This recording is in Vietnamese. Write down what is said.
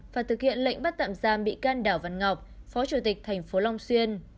và thực hiện lệnh bắt tạm giam bị can đảo văn ngọc phó chủ tịch tp long xuyên